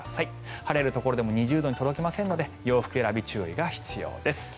晴れるところでも２０度に届きませんので洋服選び注意が必要です。